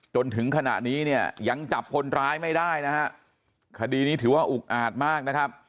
จนถึงขณะนี้ยังจับคนร้ายไม่ได้คดีนี้ถือว่าอุกอาจมาก